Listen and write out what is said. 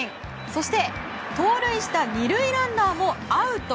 そして、盗塁した２塁ランナーもアウト。